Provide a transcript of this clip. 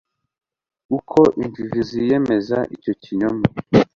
uko injiji ziyemeza icyo kinyoma